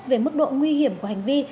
về mức độ nguy hiểm của hành vi